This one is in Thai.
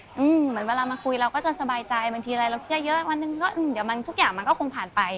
เหมือนเวลามาคุยเราก็จะสบายใจบางทีอะไรเราเครียดเยอะวันหนึ่งก็เดี๋ยวมันทุกอย่างมันก็คงผ่านไป